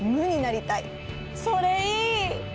それいい！